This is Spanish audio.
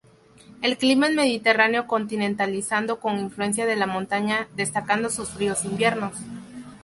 El clima es mediterráneo continentalizado con influencia de la montaña, destacando sus fríos inviernos.